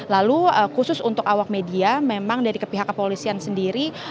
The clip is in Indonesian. lalu khusus untuk awak media memang dari pihak kepolisian sendiri